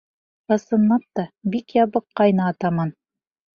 Ысынлап та, бик ябыҡҡайны атаман.